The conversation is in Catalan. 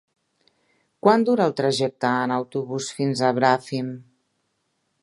Quant dura el trajecte en autobús fins a Bràfim?